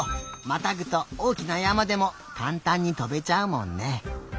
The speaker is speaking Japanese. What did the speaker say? またぐとおおきなやまでもかんたんにとべちゃうもんね。